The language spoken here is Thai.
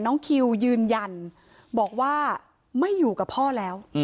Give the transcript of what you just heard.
น้องคิวยืนยันบอกว่าไม่อยู่กับพ่อแล้ว